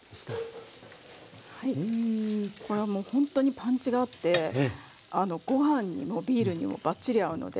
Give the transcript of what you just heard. これはもうほんとにパンチがあってごはんにもビールにもバッチリ合うので。